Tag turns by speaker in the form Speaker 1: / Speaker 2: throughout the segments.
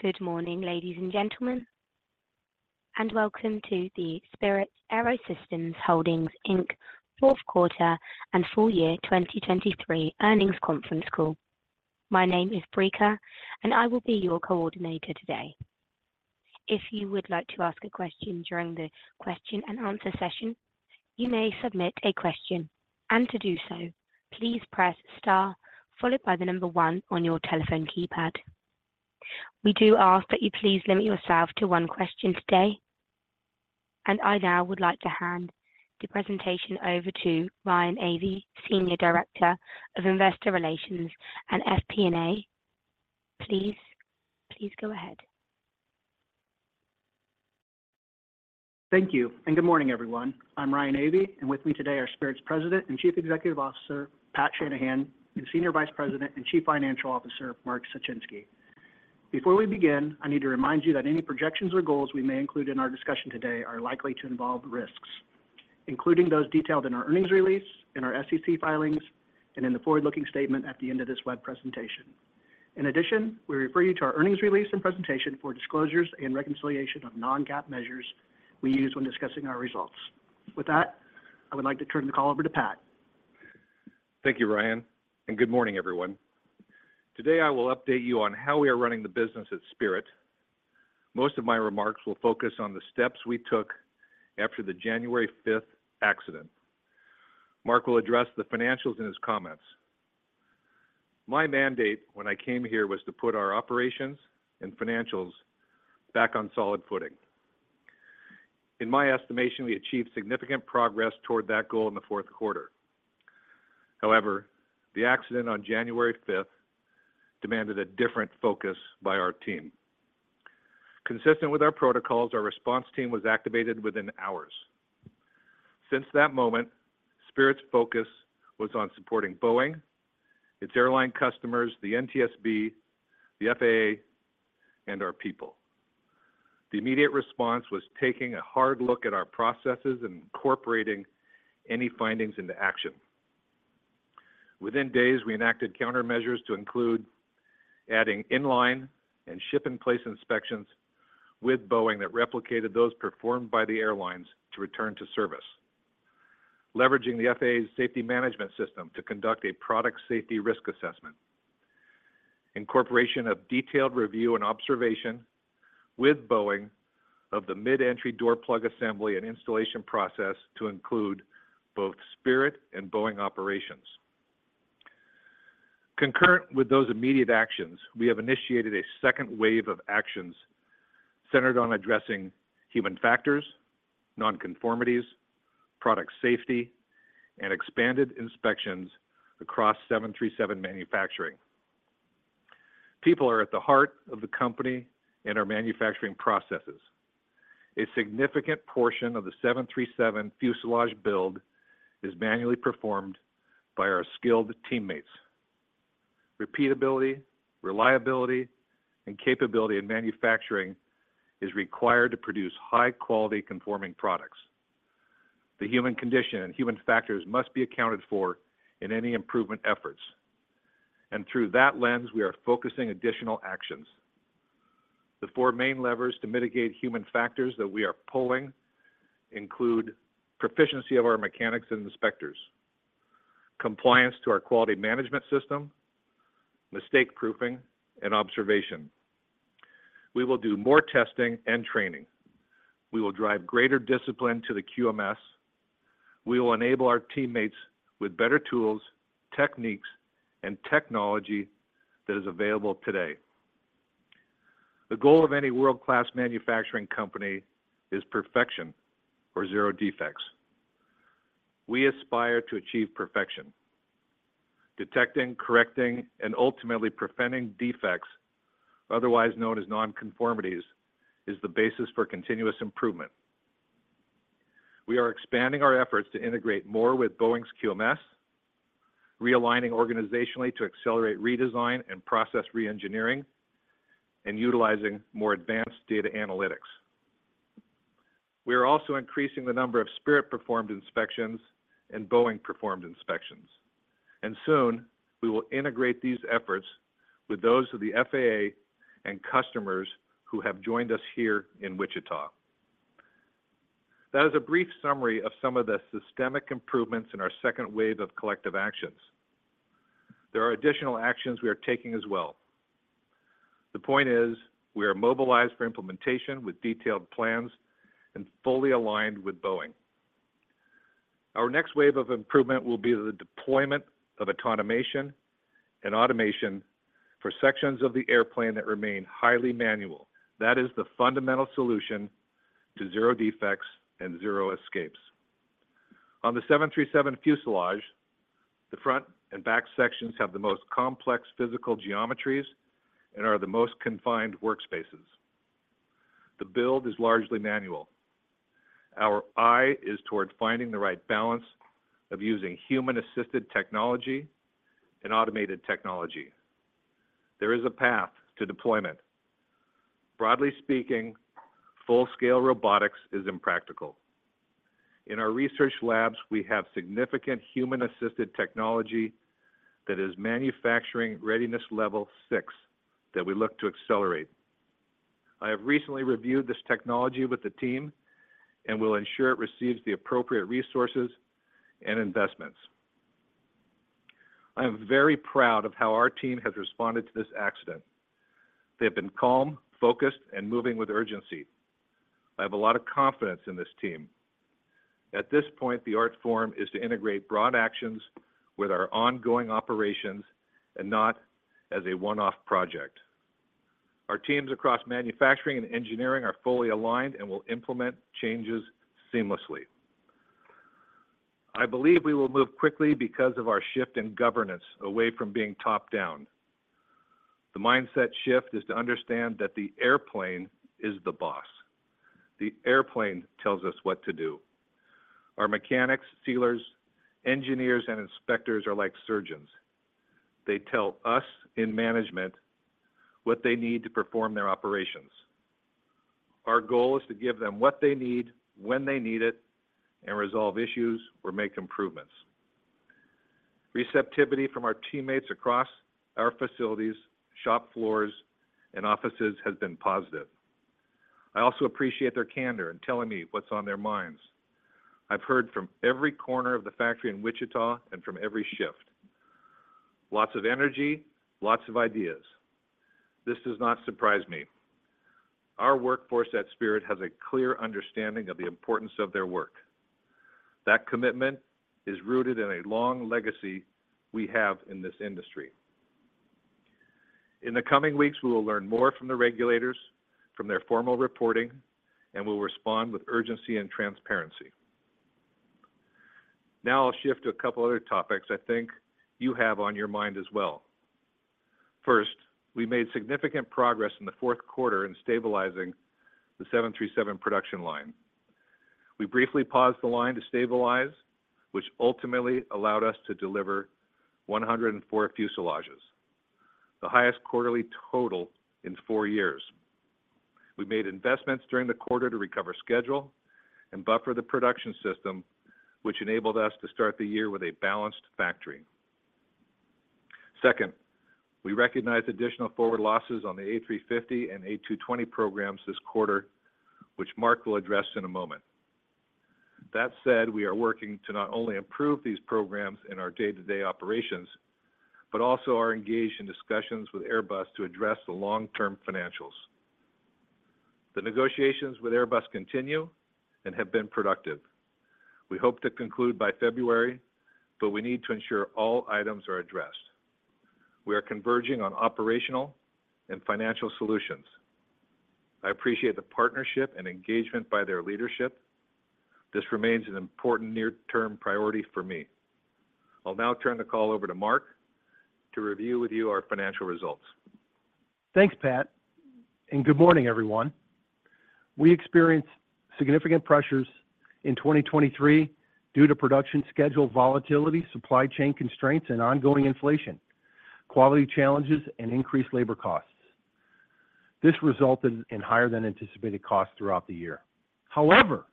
Speaker 1: Good morning, ladies and gentlemen, and welcome to the Spirit AeroSystems Holdings, Inc. Q4 and full year 2023 earnings conference call. My name is Brica, and I will be your coordinator today. If you would like to ask a question during the question and answer session, you may submit a question, and to do so, please press star followed by 1 on your telephone keypad. We do ask that you please limit yourself to one question today, and I now would like to hand the presentation over to Ryan Avey, Senior Director of Investor Relations and FP&A. Please, please go ahead.
Speaker 2: Thank you, and good morning, everyone. I'm Ryan Avey, and with me today are Spirit's President and Chief Executive Officer, Pat Shanahan, and Senior Vice President and Chief Financial Officer, Mark Suchinski. Before we begin, I need to remind you that any projections or goals we may include in our discussion today are likely to involve risks, including those detailed in our earnings release, in our SEC filings, and in the forward-looking statement at the end of this web presentation. In addition, we refer you to our earnings release and presentation for disclosures and reconciliation of non-GAAP measures we use when discussing our results. With that, I would like to turn the call over to Pat.
Speaker 3: Thank you, Ryan, and good morning, everyone. Today, I will update you on how we are running the business at Spirit. Most of my remarks will focus on the steps we took after the January fifth accident. Mark will address the financials in his comments. My mandate when I came here was to put our operations and financials back on solid footing. In my estimation, we achieved significant progress toward that goal in the Q4. However, the accident on January fifth demanded a different focus by our team. Consistent with our protocols, our response team was activated within hours. Since that moment, Spirit's focus was on supporting Boeing, its airline customers, the NTSB, the FAA, and our people. The immediate response was taking a hard look at our processes and incorporating any findings into action. Within days, we enacted countermeasures to include adding inline and ship-in-place inspections with Boeing that replicated those performed by the airlines to return to service, leveraging the FAA's Safety Management System to conduct a product safety risk assessment, incorporation of detailed review and observation with Boeing of the mid-entry door plug assembly and installation process to include both Spirit and Boeing operations. Concurrent with those immediate actions, we have initiated a second wave of actions centered on addressing human factors, non-conformities, product safety, and expanded inspections across 737 manufacturing. People are at the heart of the company and our manufacturing processes. A significant portion of the 737 fuselage build is manually performed by our skilled teammates. Repeatability, reliability, and capability in manufacturing is required to produce high-quality conforming products. The human condition and human factors must be accounted for in any improvement efforts, and through that lens, we are focusing additional actions. The four main levers to mitigate human factors that we are pulling include proficiency of our mechanics and inspectors, compliance to our quality management system, mistake proofing, and observation. We will do more testing and training. We will drive greater discipline to the QMS. We will enable our teammates with better tools, techniques, and technology that is available today. The goal of any world-class manufacturing company is perfection or zero defects. We aspire to achieve perfection. Detecting, correcting, and ultimately preventing defects, otherwise known as non-conformities, is the basis for continuous improvement. We are expanding our efforts to integrate more with Boeing's QMS, realigning organizationally to accelerate redesign and process reengineering, and utilizing more advanced data analytics. We are also increasing the number of Spirit-performed inspections and Boeing-performed inspections, and soon we will integrate these efforts with those of the FAA and customers who have joined us here in Wichita. That is a brief summary of some of the systemic improvements in our second wave of collective actions. There are additional actions we are taking as well. The point is, we are mobilized for implementation with detailed plans and fully aligned with Boeing. Our next wave of improvement will be the deployment of autonomation and automation for sections of the airplane that remain highly manual. That is the fundamental solution to zero defects and zero escapes. On the 737 fuselage, the front and back sections have the most complex physical geometries and are the most confined workspaces. The build is largely manual. Our eye is toward finding the right balance of using human-assisted technology and automated technology. There is a path to deployment. Broadly speaking, full-scale robotics is impractical. In our research labs, we have significant human-assisted technology that is Manufacturing Readiness Level 6 that we look to accelerate. I have recently reviewed this technology with the team and will ensure it receives the appropriate resources and investments. I am very proud of how our team has responded to this accident. They have been calm, focused, and moving with urgency. I have a lot of confidence in this team. At this point, the art form is to integrate broad actions with our ongoing operations and not as a one-off project. Our teams across manufacturing and engineering are fully aligned and will implement changes seamlessly. I believe we will move quickly because of our shift in governance away from being top-down. The mindset shift is to understand that the airplane is the boss. The airplane tells us what to do. Our mechanics, sealers, engineers, and inspectors are like surgeons. They tell us in management what they need to perform their operations. Our goal is to give them what they need, when they need it, and resolve issues or make improvements. Receptivity from our teammates across our facilities, shop floors, and offices has been positive. I also appreciate their candor in telling me what's on their minds. I've heard from every corner of the factory in Wichita and from every shift. Lots of energy, lots of ideas. This does not surprise me. Our workforce at Spirit has a clear understanding of the importance of their work. That commitment is rooted in a long legacy we have in this industry. In the coming weeks, we will learn more from the regulators, from their formal reporting, and we'll respond with urgency and transparency. Now, I'll shift to a couple other topics I think you have on your mind as well. First, we made significant progress in the Q4 in stabilizing the 737 production line. We briefly paused the line to stabilize, which ultimately allowed us to deliver 104 fuselages, the highest quarterly total in 4 years. We made investments during the quarter to recover schedule and buffer the production system, which enabled us to start the year with a balanced factory. Second, we recognized additional forward losses on the A350 and A220 programs this quarter, which Mark will address in a moment. That said, we are working to not only improve these programs in our day-to-day operations, but also are engaged in discussions with Airbus to address the long-term financials. The negotiations with Airbus continue and have been productive. We hope to conclude by February, but we need to ensure all items are addressed. We are converging on operational and financial solutions. I appreciate the partnership and engagement by their leadership. This remains an important near-term priority for me. I'll now turn the call over to Mark to review with you our financial results.
Speaker 4: Thanks, Pat, and good morning, everyone. We experienced significant pressures in 2023 due to production schedule volatility, supply chain constraints, and ongoing inflation, quality challenges, and increased labor costs. This resulted in higher than anticipated costs throughout the year. However,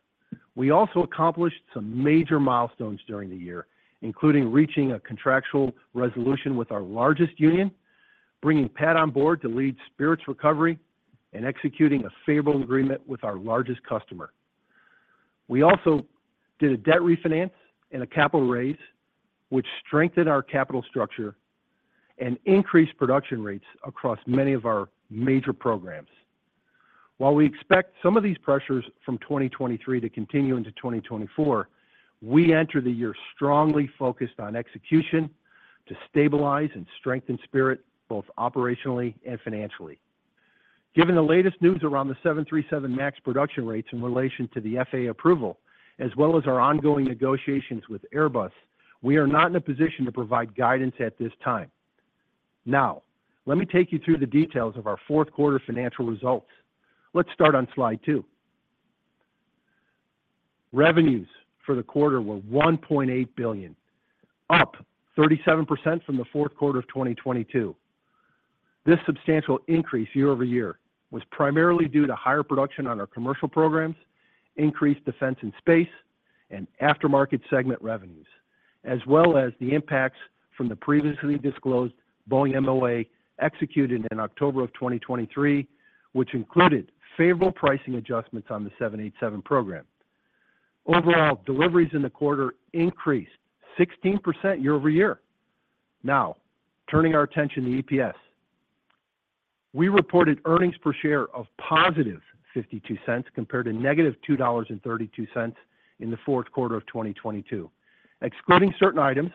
Speaker 4: we also accomplished some major milestones during the year, including reaching a contractual resolution with our largest union, bringing Pat on board to lead Spirit's recovery, and executing a favorable agreement with our largest customer. We also did a debt refinance and a capital raise, which strengthened our capital structure and increased production rates across many of our major programs. While we expect some of these pressures from 2023 to continue into 2024, we enter the year strongly focused on execution to stabilize and strengthen Spirit, both operationally and financially. Given the latest news around the 737 MAX production rates in relation to the FAA approval, as well as our ongoing negotiations with Airbus, we are not in a position to provide guidance at this time. Now, let me take you through the details of our Q4 financial results. Let's start on slide two. Revenues for the quarter were $1.8 billion, up 37% from the Q4 of 2022. This substantial increase year-over-year was primarily due to higher production on our commercial programs, increased defense and space, and aftermarket segment revenues, as well as the impacts from the previously disclosed Boeing MOA, executed in October of 2023, which included favorable pricing adjustments on the 787 program. Overall, deliveries in the quarter increased 16% year-over-year. Now, turning our attention to EPS. We reported earnings per share of positive $0.52, compared to -$2.32 in the Q4 of 2022. Excluding certain items,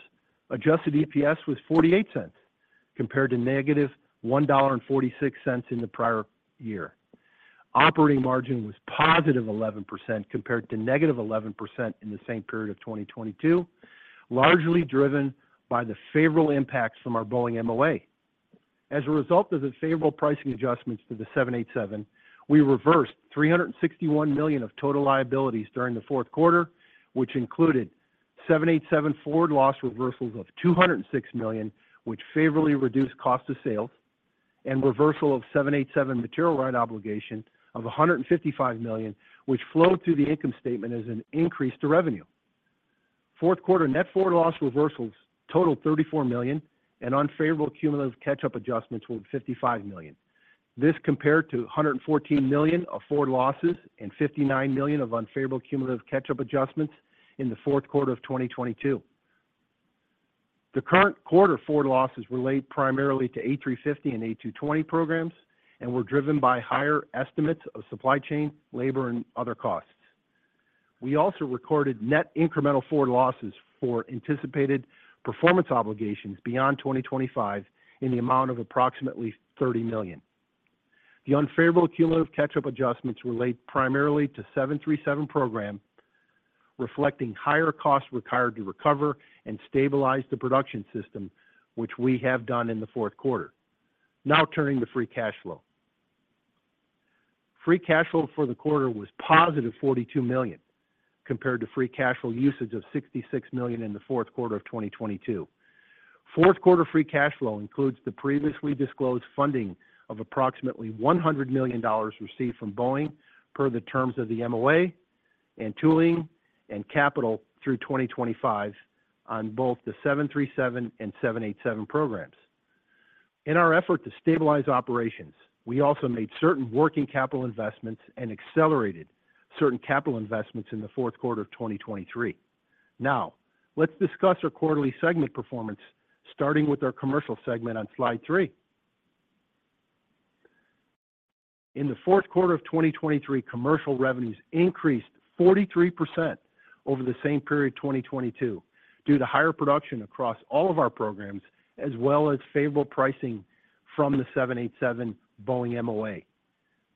Speaker 4: adjusted EPS was $0.48, compared to -$1.46 in the prior year. Operating margin was positive 11%, compared to negative 11% in the same period of 2022, largely driven by the favorable impacts from our Boeing MOA. As a result of the favorable pricing adjustments to the 787, we reversed $361 million of total liabilities during the Q4, which included 787 forward loss reversals of $206 million, which favorably reduced cost of sales, and reversal of 787 material right obligation of $155 million, which flowed through the income statement as an increase to revenue. Q4 net forward loss reversals totaled $34 million, and unfavorable cumulative catch-up adjustments were $55 million. This compared to $114 million of forward losses and $59 million of unfavorable cumulative catch-up adjustments in the Q4 of 2022. The current quarter forward losses relate primarily to A350 and A220 programs, and were driven by higher estimates of supply chain, labor, and other costs. We also recorded net incremental forward losses for anticipated performance obligations beyond 2025 in the amount of approximately $30 million. The unfavorable cumulative catch-up adjustments relate primarily to 737 program, reflecting higher costs required to recover and stabilize the production system, which we have done in the Q4. Now turning to free cash flow. Free cash flow for the quarter was positive $42 million, compared to free cash flow usage of $66 million in the Q4 of 2022. Fourth quarter free cash flow includes the previously disclosed funding of approximately $100 million received from Boeing per the terms of the MOA, and tooling and capital through 2025 on both the 737 and 787 programs. In our effort to stabilize operations, we also made certain working capital investments and accelerated certain capital investments in the Q4 of 2023. Now, let's discuss our quarterly segment performance, starting with our commercial segment on slide 3. In the Q4 of 2023, commercial revenues increased 43% over the same period 2022, due to higher production across all of our programs, as well as favorable pricing from the 787 Boeing MOA.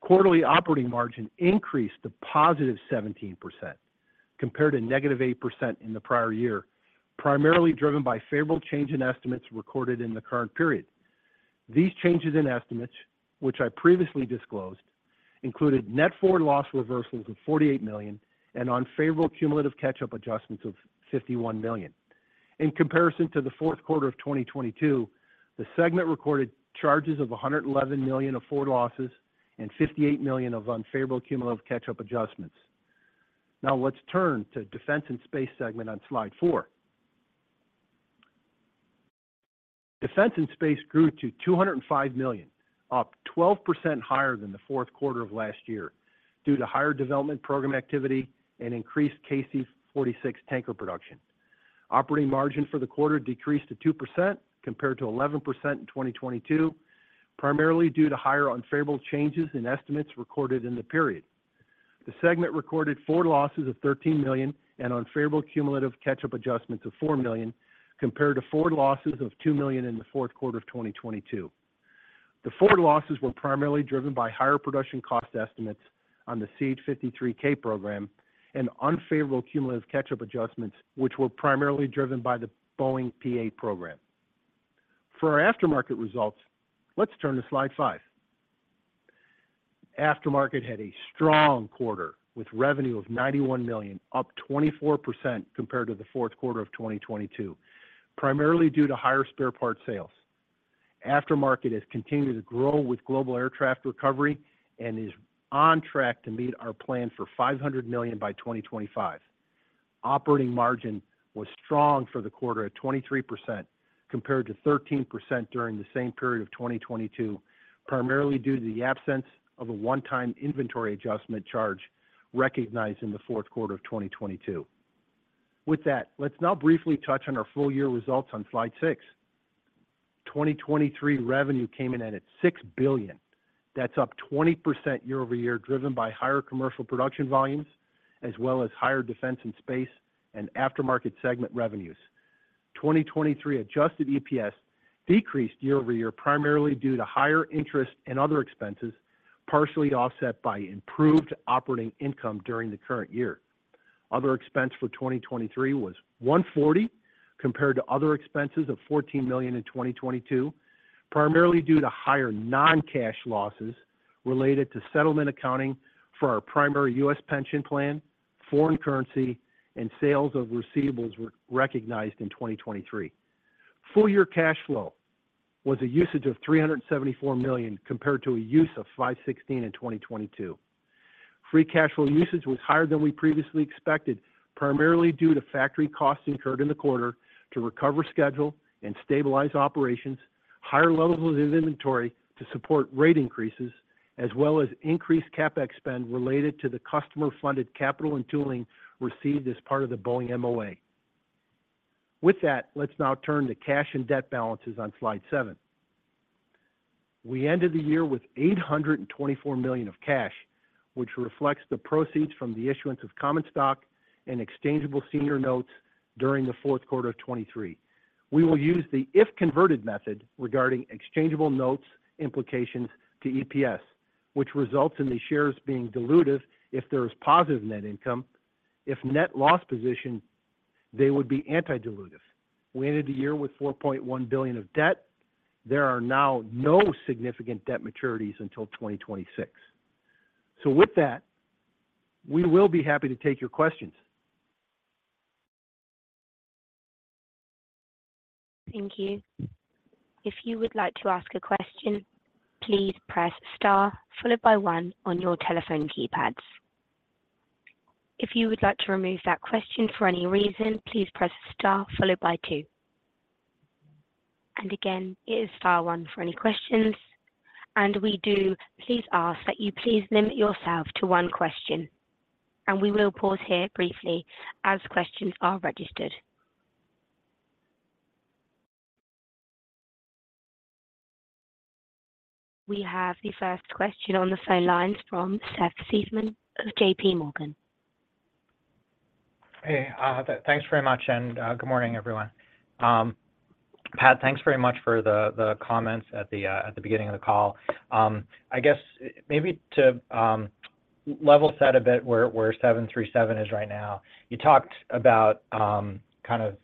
Speaker 4: Quarterly operating margin increased to +17% compared to -8% in the prior year, primarily driven by favorable change in estimates recorded in the current period. These changes in estimates, which I previously disclosed, included net forward loss reversals of $48 million and unfavorable cumulative catch-up adjustments of $51 million. In comparison to the Q4 of 2022, the segment recorded charges of $111 million of forward losses and $58 million of unfavorable cumulative catch-up adjustments. Now let's turn to Defense and Space segment on slide four. Defense and Space grew to $205 million, up 12% higher than the fourth quarter of last year, due to higher development program activity and increased KC-46 tanker production. Operating margin for the quarter decreased to 2% compared to 11% in 2022, primarily due to higher unfavorable changes in estimates recorded in the period. The segment recorded forward losses of $13 million and unfavorable cumulative catch-up adjustments of $4 million, compared to forward losses of $2 million in the Q4 of 2022. The forward losses were primarily driven by higher production cost estimates on the CH-53K program and unfavorable cumulative catch-up adjustments, which were primarily driven by the P-8 program. For our aftermarket results, let's turn to slide 5. Aftermarket had a strong quarter, with revenue of $91 million, up 24% compared to the Q4 of 2022, primarily due to higher spare parts sales. Aftermarket has continued to grow with global air traffic recovery and is on track to meet our plan for $500 million by 2025. Operating margin was strong for the quarter at 23%, compared to 13% during the same period of 2022, primarily due to the absence of a one-time inventory adjustment charge recognized in the fourth quarter of 2022. With that, let's now briefly touch on our full year results on slide 6. 2023 revenue came in at $6 billion. That's up 20% year-over-year, driven by higher commercial production volumes, as well as higher defense and space and aftermarket segment revenues. 2023 adjusted EPS decreased year-over-year, primarily due to higher interest and other expenses, partially offset by improved operating income during the current year. Other expense for 2023 was $140 million, compared to other expenses of $14 million in 2022, primarily due to higher non-cash losses related to settlement accounting for our primary U.S. pension plan, foreign currency, and sales of receivables re-recognized in 2023. Full-year cash flow was a usage of $374 million, compared to a use of $516 million in 2022. Free cash flow usage was higher than we previously expected, primarily due to factory costs incurred in the quarter to recover schedule and stabilize operations, higher levels of inventory to support rate increases, as well as increased CapEx spend related to the customer-funded capital and tooling received as part of the Boeing MOA. With that, let's now turn to cash and debt balances on slide 7. We ended the year with $824 million of cash, which reflects the proceeds from the issuance of common stock and exchangeable senior notes during the Q4 of 2023. We will use the if converted method regarding exchangeable notes implications to EPS, which results in the shares being dilutive if there is positive net income. If net loss position, they would be anti-dilutive. We ended the year with $4.1 billion of debt. There are now no significant debt maturities until 2026. So with that, we will be happy to take your questions.
Speaker 1: Thank you. If you would like to ask a question, please press star followed by one on your telephone keypads. If you would like to remove that question for any reason, please press star followed by two. And again, it is star one for any questions, and we do please ask that you please limit yourself to one question, and we will pause here briefly as questions are registered. We have the first question on the phone lines from Seth Seifman of J.P. Morgan.
Speaker 5: Hey, thanks very much, and, good morning, everyone. Pat, thanks very much for the comments at the beginning of the call. I guess, maybe to level set a bit where 737 is right now. You talked about kind of,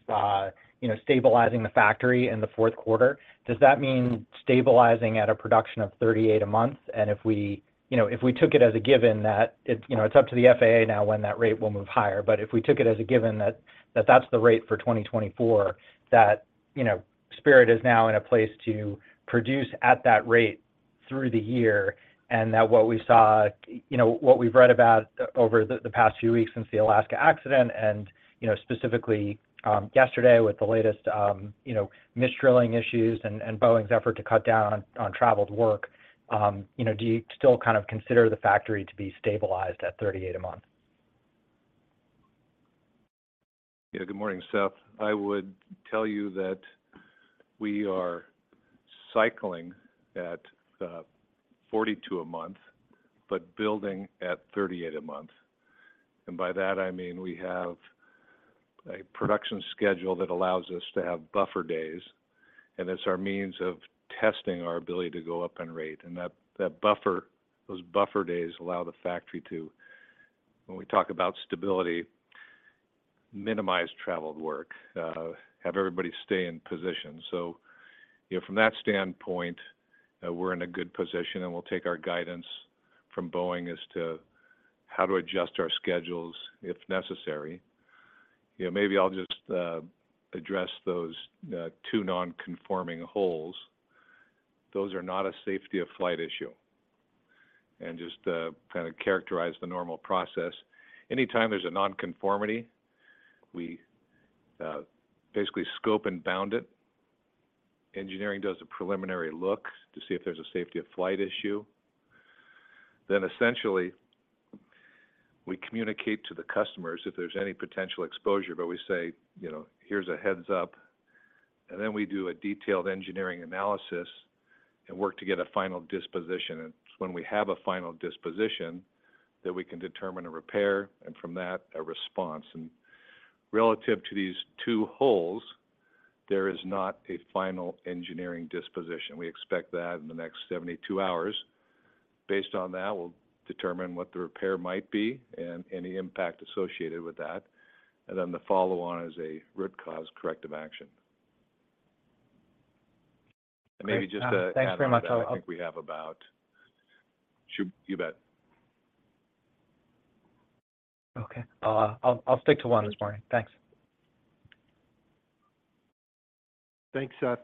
Speaker 5: you know, stabilizing the factory in the fourth quarter. Does that mean stabilizing at a production of 38 a month? If we, you know, if we took it as a given that it, you know, it's up to the FAA now when that rate will move higher, but if we took it as a given that, that that's the rate for 2024, that, you know, Spirit is now in a place to produce at that rate through the year, and that what we saw, you know, what we've read about over the, the past few weeks since the Alaska accident and, you know, specifically, yesterday with the latest, you know, misdrilling issues and, and Boeing's effort to cut down on, on traveled work. You know, do you still kind of consider the factory to be stabilized at 38 a month?
Speaker 3: Yeah. Good morning, Seth. I would tell you that we are cycling at 42 a month, but building at 38 a month. And by that, I mean we have a production schedule that allows us to have buffer days, and it's our means of testing our ability to go up on rate. And that, that buffer, those buffer days allow the factory to, when we talk about stability, minimize traveled work, have everybody stay in position. So, you know, from that standpoint, we're in a good position, and we'll take our guidance from Boeing as to how to adjust our schedules if necessary. You know, maybe I'll just address those 2 non-conforming holes. Those are not a safety of flight issue. And just to kind of characterize the normal process, anytime there's a non-conformity, we basically scope and bound it. Engineering does a preliminary look to see if there's a safety of flight issue. Then essentially, we communicate to the customers if there's any potential exposure, but we say, you know, "Here's a heads up." And then we do a detailed engineering analysis and work to get a final disposition. And when we have a final disposition, then we can determine a repair, and from that, a response. And relative to these two holes, there is not a final engineering disposition. We expect that in the next 72 hours. Based on that, we'll determine what the repair might be and any impact associated with that, and then the follow-on is a root cause corrective action. And maybe just to.
Speaker 5: Thanks very much.
Speaker 3: I think we have about. Sure, you bet.
Speaker 5: Okay. I'll stick to one this morning. Thanks.
Speaker 3: Thanks, Seth.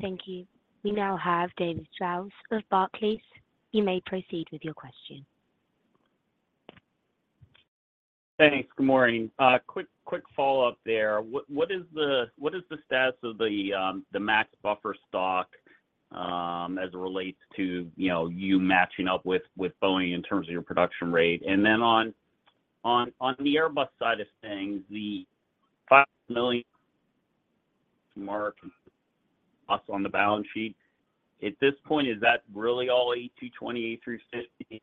Speaker 1: Thank you. We now have David Strauss of Barclays. You may proceed with your question.
Speaker 6: Thanks. Good morning. Quick follow-up there. What is the status of the MAX buffer stock as it relates to, you know, you matching up with Boeing in terms of your production rate? And then on the Airbus side of things, the $5 million markup on the balance sheet. At this point, is that really all A220 A350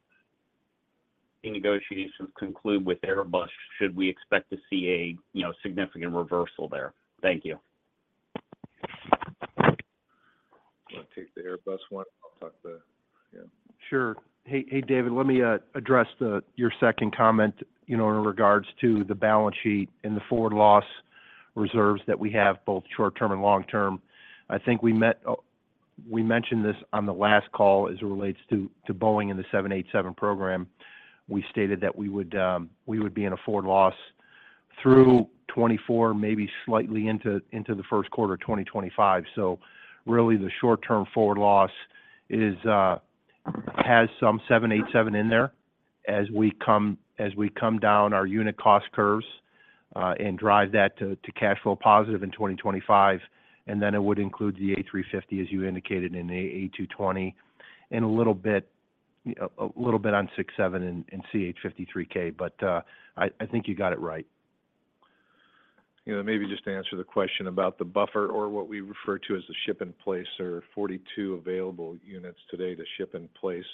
Speaker 6: negotiations conclude with Airbus? Should we expect to see a, you know, significant reversal there? Thank you.
Speaker 3: You want to take the Airbus one? I'll talk the... Yeah. Sure. Hey, hey, David, let me, address the, your second comment, you know, in regards to the balance sheet and the forward loss reserves that we have, both short term and long term. I think we met, we mentioned this on the last call as it relates to, to Boeing and the 787 program. We stated that we would, we would be in a forward loss through 2024, maybe slightly into, into the Q1 of 2025. So really, the short-term forward loss is, has some 787 in there as we come, as we come down our unit cost curves, and drive that to cash flow positive in 2025, and then it would include the A350, as you indicated, and the A220, and a little bit on 767 and CH-53K. But, I think you got it right. You know, maybe just to answer the question about the buffer or what we refer to as the ship-in-place, there are 42 available units today to ship-in-place.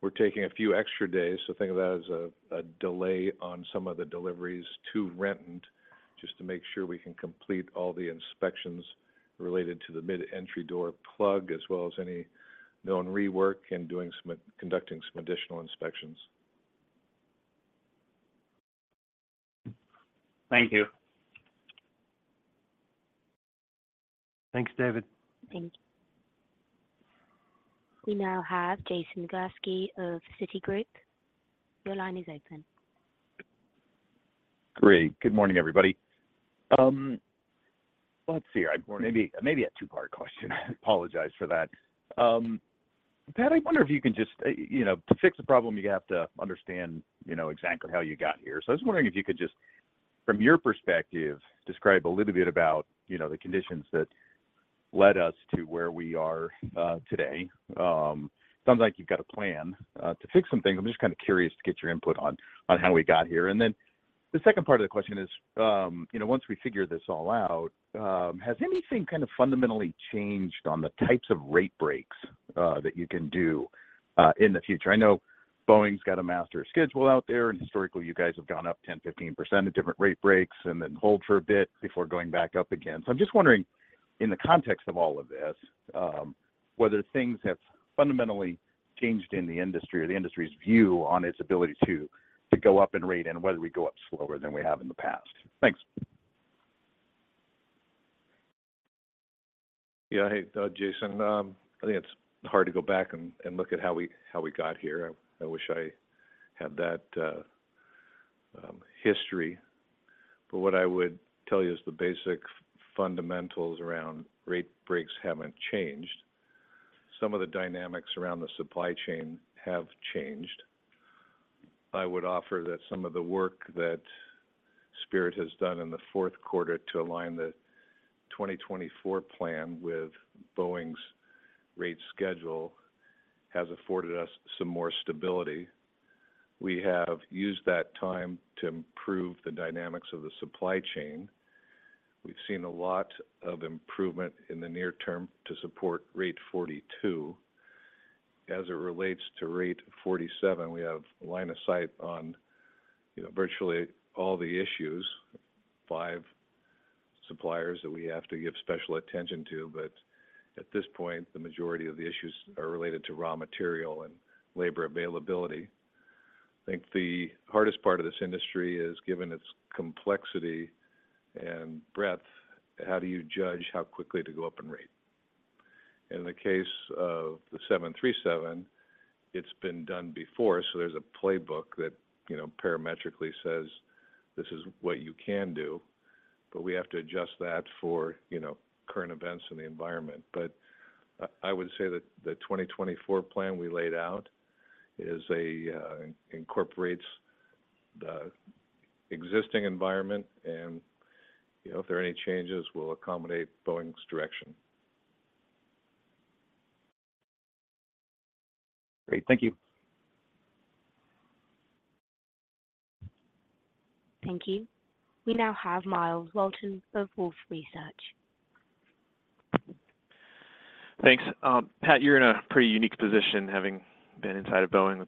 Speaker 3: We're taking a few extra days, so think of that as a delay on some of the deliveries to Renton, just to make sure we can complete all the inspections related to the mid-entry door plug, as well as any known rework and conducting some additional inspections.
Speaker 6: Thank you.
Speaker 3: Thanks, David.
Speaker 1: Thank you. We now have Jason Gursky of Citigroup. Your line is open.
Speaker 7: Great. Good morning, everybody. Maybe, maybe a two-part question. I apologize for that. Pat, I wonder if you can just. You know, to fix a problem, you have to understand, you know, exactly how you got here. So I was wondering if you could just, from your perspective, describe a little bit about, you know, the conditions that led us to where we are today. Sounds like you've got a plan to fix some things. I'm just kind of curious to get your input on, on how we got here. And then the second part of the question is, you know, once we figure this all out, has anything kind of fundamentally changed on the types of rate breaks that you can do in the future? I know Boeing's got a master schedule out there, and historically, you guys have gone up 10, 15% at different rate breaks and then hold for a bit before going back up again. So I'm just wondering, in the context of all of this, whether things have fundamentally changed in the industry or the industry's view on its ability to go up in rate and whether we go up slower than we have in the past? Thanks.
Speaker 3: Yeah. Hey, Jason, I think it's hard to go back and look at how we got here. I wish I had that history. But what I would tell you is the basic fundamentals around rate breaks haven't changed. Some of the dynamics around the supply chain have changed. I would offer that some of the work that Spirit has done in the Q4 to align the 2024 plan with Boeing's rate schedule has afforded us some more stability. We have used that time to improve the dynamics of the supply chain. We've seen a lot of improvement in the near term to support Rate 42. As it relates to Rate 47, we have line of sight on, you know, virtually all the issues, 5 suppliers that we have to give special attention to. But at this point, the majority of the issues are related to raw material and labor availability. I think the hardest part of this industry is, given its complexity and breadth, how do you judge how quickly to go up in rate? In the case of the 737, it's been done before, so there's a playbook that, you know, parametrically says, "This is what you can do," but we have to adjust that for, you know, current events in the environment. But I would say that the 2024 plan we laid out is a, incorporates the existing environment, and, you know, if there are any changes, we'll accommodate Boeing's direction.
Speaker 7: Great. Thank you.
Speaker 1: Thank you. We now have Myles Walton of Wolfe Research.
Speaker 8: Thanks. Pat, you're in a pretty unique position, having been inside of Boeing,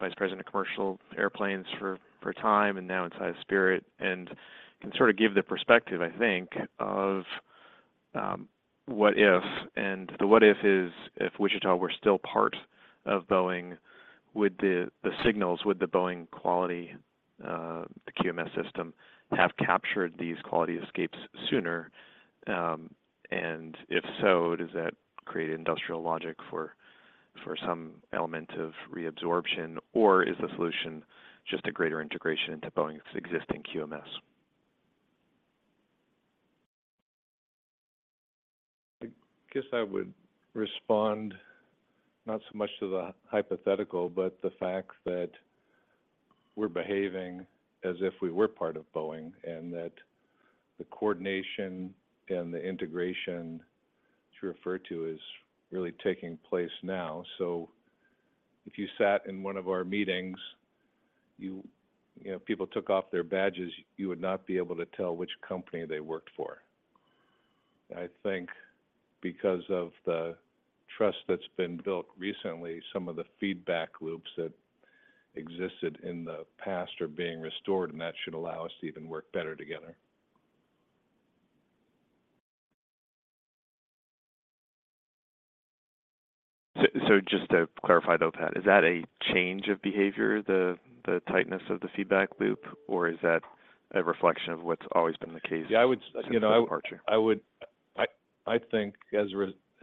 Speaker 8: Vice President of Commercial Airplanes for a time, and now inside of Spirit, and can sort of give the perspective, I think, of what if. And the what if is, if Wichita were still part of Boeing, would the signals, would the Boeing quality, the QMS system, have captured these quality escapes sooner? And if so, does that create industrial logic for some element of reabsorption, or is the solution just a greater integration into Boeing's existing QMS?
Speaker 3: I guess I would respond not so much to the hypothetical, but the fact that we're behaving as if we were part of Boeing, and that the coordination and the integration to refer to is really taking place now. So if you sat in one of our meetings, you know, people took off their badges, you would not be able to tell which company they worked for. I think because of the trust that's been built recently, some of the feedback loops that existed in the past are being restored, and that should allow us to even work better together.
Speaker 8: So just to clarify, though, Pat, is that a change of behavior, the tightness of the feedback loop, or is that a reflection of what's always been the case?
Speaker 3: Yeah, I would.
Speaker 8: Since the departure?
Speaker 3: You know, I would I think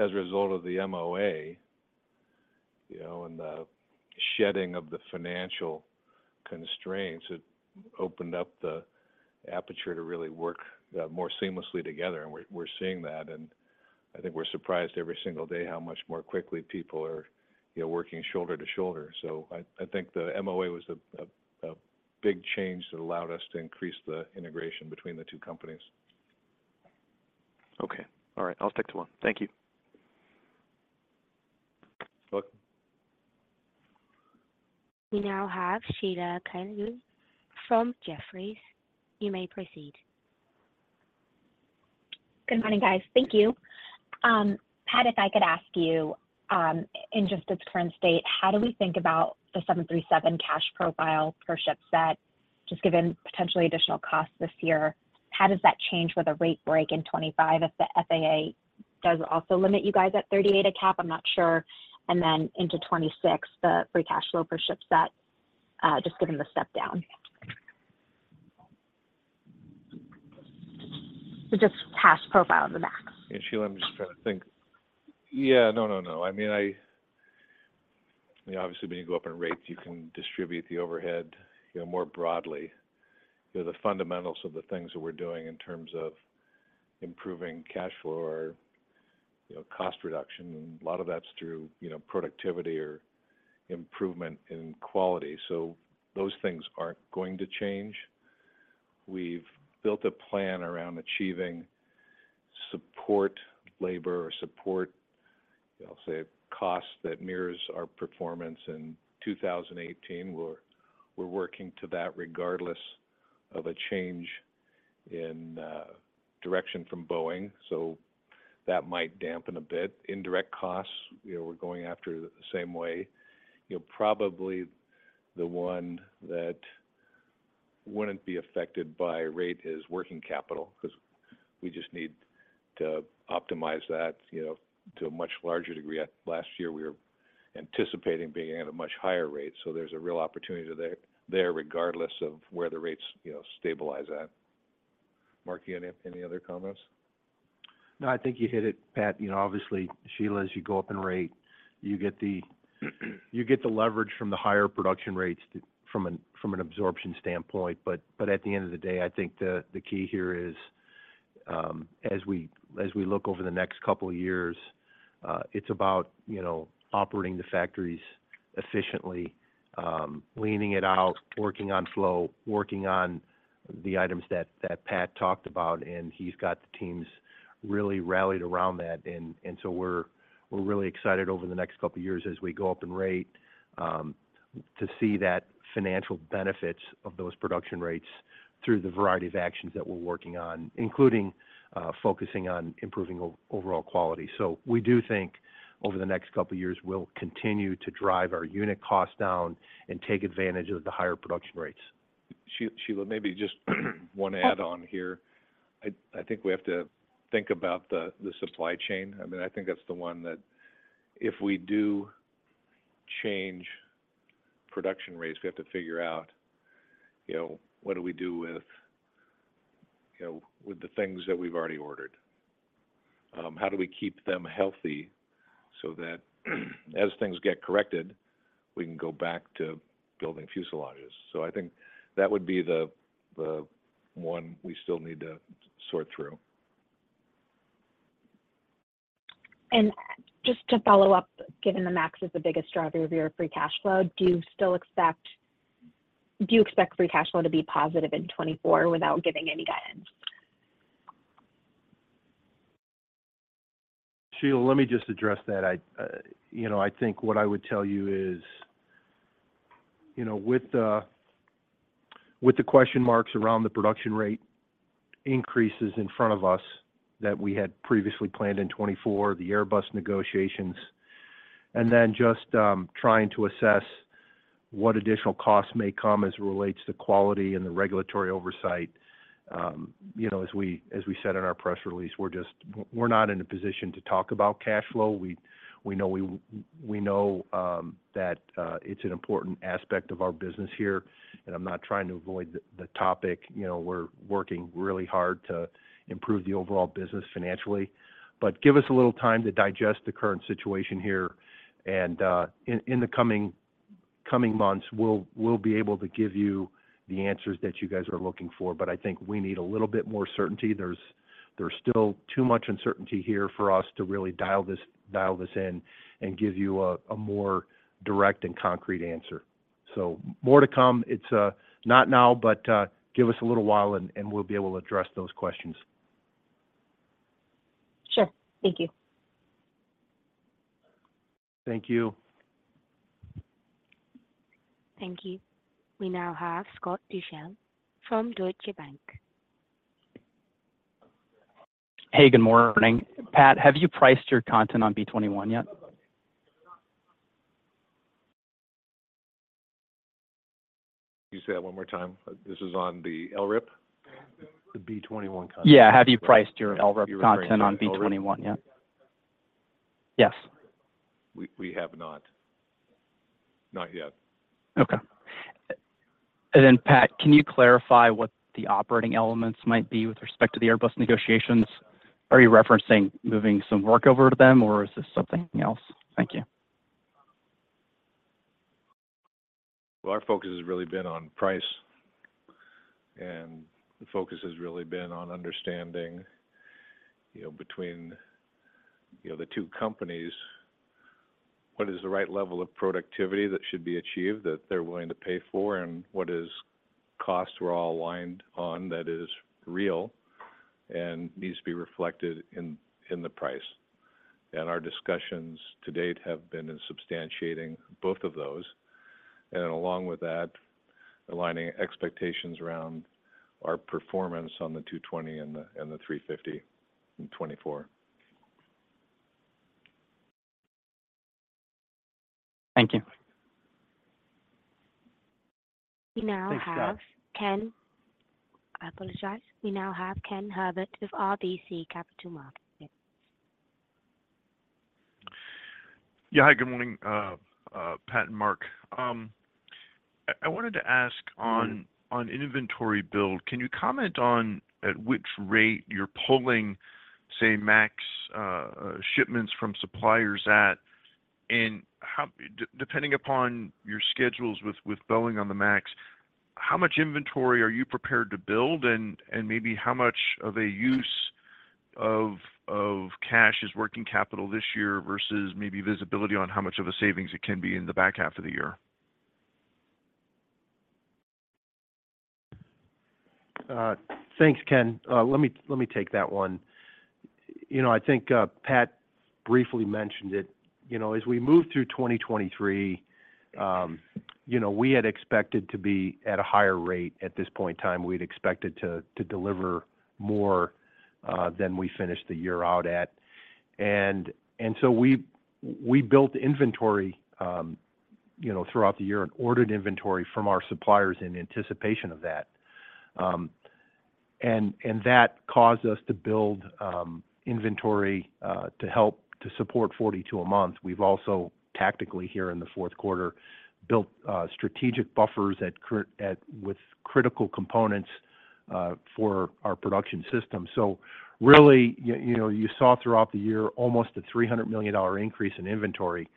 Speaker 3: as a result of the MOA, you know, and the shedding of the financial constraints, it opened up the aperture to really work more seamlessly together, and we're seeing that. And I think we're surprised every single day how much more quickly people are, you know, working shoulder to shoulder. So I think the MOA was a big change that allowed us to increase the integration between the two companies.
Speaker 8: Okay. All right. I'll stick to one. Thank you.
Speaker 3: You're welcome.
Speaker 1: We now have Sheila Kahyaoglu from Jefferies. You may proceed.
Speaker 9: Good morning, guys. Thank you. Pat, if I could ask you, in just its current state, how do we think about the 737 cash profile per ship set? Just given potentially additional costs this year, how does that change with a rate break in 2025, if the FAA does also limit you guys at 38 a cap? I'm not sure. And then into 2026, the free cash flow per ship set, just given the step down. So just past profile of the MAX.
Speaker 3: Yeah, Sheila, I'm just trying to think. Yeah, no, no, no. I mean, I obviously, when you go up in rate, you can distribute the overhead, you know, more broadly. You know, the fundamentals of the things that we're doing in terms of improving cash flow or, you know, cost reduction, and a lot of that's through, you know, productivity or improvement in quality. So those things aren't going to change. We've built a plan around achieving support labor or support, I'll say, costs that mirrors our performance in 2018, where we're working to that regardless of a change in direction from Boeing, so that might dampen a bit. Indirect costs, you know, we're going after the same way. You know, probably the one that wouldn't be affected by rate is working capital, because we just need to optimize that, you know, to a much larger degree. At last year, we were anticipating being at a much higher rate, so there's a real opportunity there, there, regardless of where the rates, you know, stabilize at. Mark, you have any, any other comments?
Speaker 4: No, I think you hit it, Pat. You know, obviously, Sheila, as you go up in rate, you get the leverage from the higher production rates to from an absorption standpoint. But at the end of the day, I think the key here is, as we look over the next couple of years, it's about, you know, operating the factories efficiently, leaning it out, working on flow, working on the items that Pat talked about, and he's got the teams really rallied around that. And so we're really excited over the next couple of years as we go up in rate, to see that financial benefits of those production rates through the variety of actions that we're working on, including, focusing on improving overall quality. So we do think over the next couple of years, we'll continue to drive our unit costs down and take advantage of the higher production rates.
Speaker 3: Sheila, maybe just one add-on here. I think we have to think about the supply chain. I mean, I think that's the one that if we do change production rates, we have to figure out, you know, what do we do with, you know, with the things that we've already ordered? How do we keep them healthy so that as things get corrected, we can go back to building fuselages? So I think that would be the one we still need to sort through.
Speaker 9: Just to follow up, given the MAX is the biggest driver of your free cash flow, do you expect free cash flow to be positive in 2024 without giving any guidance?
Speaker 4: Sheila, let me just address that. I, you know, I think what I would tell you is, you know, with the question marks around the production rate increases in front of us that we had previously planned in 2024, the Airbus negotiations, and then just trying to assess what additional costs may come as it relates to quality and the regulatory oversight. You know, as we said in our press release, we're just, we're not in a position to talk about cash flow. We know that it's an important aspect of our business here, and I'm not trying to avoid the topic. You know, we're working really hard to improve the overall business financially. But give us a little time to digest the current situation here, and in the coming months, we'll be able to give you the answers that you guys are looking for. But I think we need a little bit more certainty. There's still too much uncertainty here for us to really dial this in and give you a more direct and concrete answer. So more to come. It's not now, but give us a little while and we'll be able to address those questions.
Speaker 9: Sure. Thank you.
Speaker 4: Thank you.
Speaker 1: Thank you. We now have Scott Deuschle from Deutsche Bank.
Speaker 10: Hey, good morning. Pat, have you priced your content on B-21 yet?
Speaker 3: Can you say that one more time? This is on the LRIP?
Speaker 4: The B-21 content.
Speaker 10: Yeah. Have you priced your LRIP content on B-21 yet? Yes.
Speaker 3: We have not. Not yet.
Speaker 10: Okay. And then, Pat, can you clarify what the operating elements might be with respect to the Airbus negotiations? Are you referencing moving some work over to them, or is this something else? Thank you.
Speaker 3: Well, our focus has really been on price, and the focus has really been on understanding, you know, between, you know, the two companies, what is the right level of productivity that should be achieved, that they're willing to pay for, and what is costs we're all aligned on that is real and needs to be reflected in, in the price. Our discussions to date have been in substantiating both of those, and along with that, aligning expectations around our performance on the 220 and the, and the 350 in 2024.
Speaker 10: Thank you.
Speaker 1: We now have Ken. I apologize. We now have Ken Herbert with RBC Capital Markets.
Speaker 11: Yeah. Hi, good morning, Pat and Mark. I wanted to ask on inventory build, can you comment on at which rate you're pulling, say, Max shipments from suppliers at, and how depending upon your schedules with Boeing on the Max, how much inventory are you prepared to build? And maybe how much of a use of cash is working capital this year versus maybe visibility on how much of a savings it can be in the back half of the year?
Speaker 4: Thanks, Ken. Let me take that one. You know, I think, Pat briefly mentioned it. You know, as we move through 2023, you know, we had expected to be at a higher rate at this point in time. We'd expected to deliver more than we finished the year out at. And so we built inventory, you know, throughout the year and ordered inventory from our suppliers in anticipation of that. And that caused us to build inventory to help support 42 a month. We've also tactically, here in the fourth quarter, built strategic buffers with critical components for our production system. So really, you know, you saw throughout the year almost a $300 million increase in inventory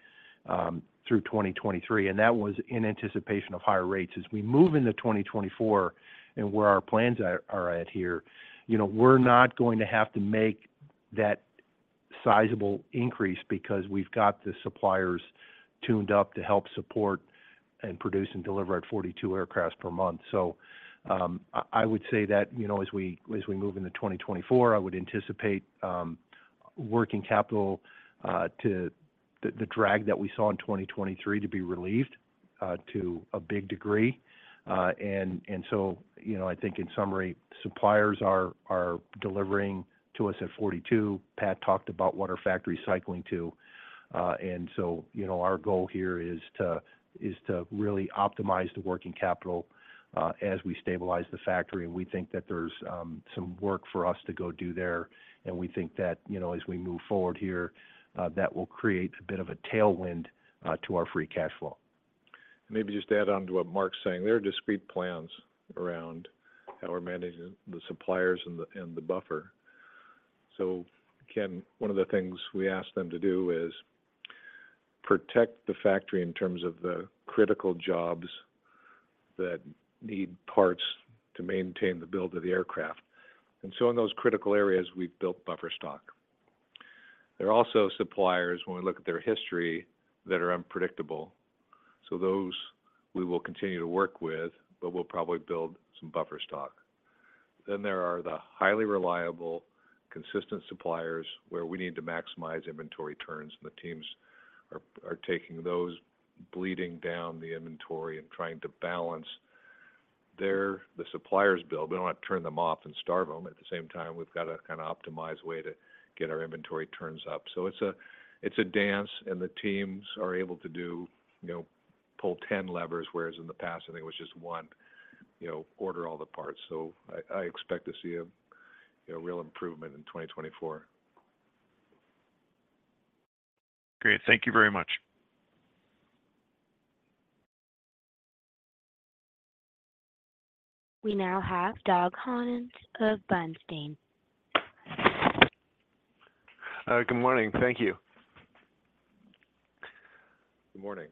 Speaker 4: through 2023, and that was in anticipation of higher rates. As we move into 2024 and where our plans are at here, you know, we're not going to have to make that sizable increase because we've got the suppliers tuned up to help support and produce and deliver at 42 aircraft per month. So, I would say that, you know, as we move into 2024, I would anticipate working capital to the drag that we saw in 2023 to be relieved to a big degree. And so, you know, I think in summary, suppliers are delivering to us at 42. Pat talked about what our factory is cycling to. And so, you know, our goal here is to really optimize the working capital, as we stabilize the factory. And we think that there's some work for us to go do there, and we think that, you know, as we move forward here, that will create a bit of a tailwind to our free cash flow.
Speaker 3: Maybe just to add on to what Mark's saying, there are discrete plans around how we're managing the suppliers and the buffer. So Ken, one of the things we asked them to do is protect the factory in terms of the critical jobs that need parts to maintain the build of the aircraft. And so in those critical areas, we've built buffer stock. There are also suppliers, when we look at their history, that are unpredictable, so those we will continue to work with, but we'll probably build some buffer stock. Then there are the highly reliable, consistent suppliers where we need to maximize inventory turns, and the teams are taking those, bleeding down the inventory and trying to balance their... the suppliers build. We don't want to turn them off and starve them. At the same time, we've got to kind of optimize way to get our inventory turns up. So it's a, it's a dance, and the teams are able to do, you know, pull 10 levers, whereas in the past, I think it was just one, you know, order all the parts. So I, I expect to see a, a real improvement in 2024.
Speaker 11: Great. Thank you very much.
Speaker 1: We now have Doug Harned of Bernstein.
Speaker 12: Good morning. Thank you.
Speaker 3: Good morning.